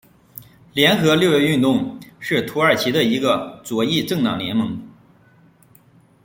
联合六月运动是土耳其的一个左翼政党联盟。